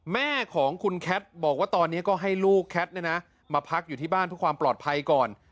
แม่ของคุณแคทบอกว่าตอนนี้ก็ให้ลูกแคทมาพักอยู่ที่บ้านเพื่อความปลอดภัยก่อน